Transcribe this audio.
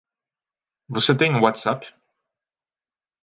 Você tem WhatsApp?